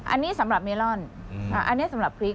อันนี้สำหรับเมลอนอันนี้สำหรับพริก